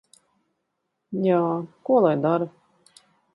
Jā. Ko lai dara?